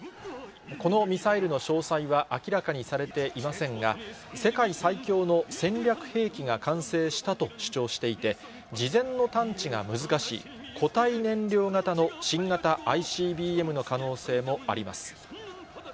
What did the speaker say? このミサイルの詳細は明らかにされていませんが、世界最強の戦略兵器が完成したと主張していて、事前の探知が難しい固体燃料型の新型ＩＣＢＭの可能性もあります。